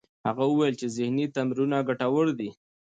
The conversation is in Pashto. هغه وویل چې ذهنې تمرینونه ګټور دي.